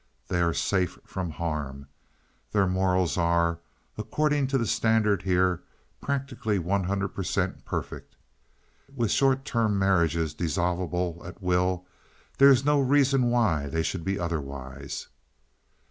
They are safe from harm. Their morals are, according to the standard here, practically one hundred per cent perfect. With short term marriages, dissolvable at will, there is no reason why they should be otherwise.